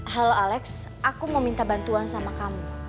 halo alex aku mau minta bantuan sama kamu